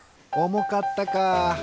おもかったか。